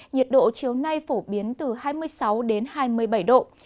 nhiệt độ chiều nay phổ biến từ hai mươi sáu đến hai mươi bảy độ